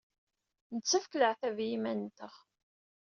Nettakf leɛtab i yiman-nteɣ.